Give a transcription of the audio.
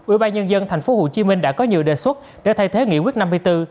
ủy ban nhân dân tp hcm đã có nhiều đề xuất để thay thế nghị quyết năm mươi bốn